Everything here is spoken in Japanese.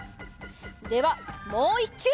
ではもういっきゅう！